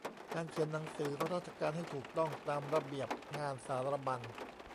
การเขียนหนังสือราชการให้ถูกต้องตามระเบียบงานสารบรรณ